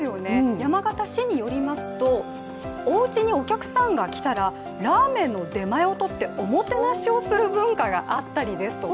山形市によりますと、おうちにお客さんが来たらラーメンの出前をとっておもてなしをする文化があったりですとか。